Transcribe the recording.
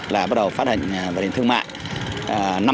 là bắt đầu phát hành vận hình thương mại